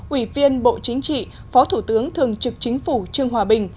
ủy viên bộ chính trị phó thủ tướng thường trực chính phủ trương hòa bình